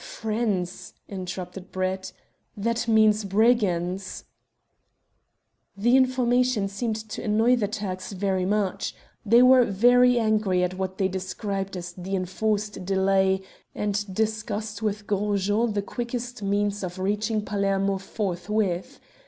'" "Friends!" interrupted Brett. "That means brigands!" "The information seemed to annoy the Turks very much. They were very angry at what they described as the enforced delay, and discussed with Gros Jean the quickest means of reaching Palermo forthwith.